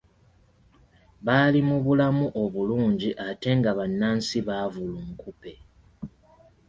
Baali mu bulamu obulungi ate nga bannansi baavu lunkupe.